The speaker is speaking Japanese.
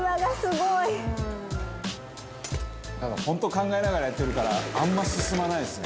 「だから本当考えながらやってるからあんま進まないですね」